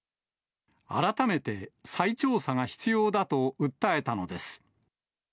改めて、再調査が必要だと訴えたのです。